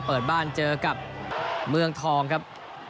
เปิดบ้านเจอกับเมืองทองครับ